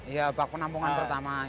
iya bak penampungan pertama